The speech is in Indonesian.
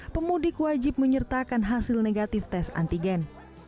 pemudik wajib menyertakan hasil negatif tes antigen